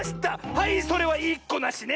はいそれはいいっこなしね！